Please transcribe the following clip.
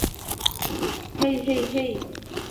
হেই hey হেই!